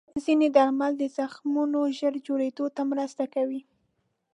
ځینې درمل د زخمونو ژر جوړېدو ته مرسته کوي.